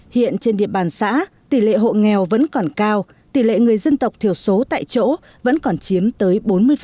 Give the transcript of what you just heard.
hiện trên địa bàn xã tỷ lệ hộ nghèo vẫn còn cao tỷ lệ người dân tộc thiểu số tại chỗ vẫn còn chiếm tới bốn mươi